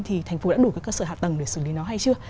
thì thành phố đã đủ các cơ sở hạ tầng để xử lý nó hay chưa